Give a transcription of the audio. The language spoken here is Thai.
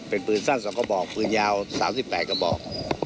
เป็นปืนสั้น๒กระบอกปืนยาว๓๘กระบอก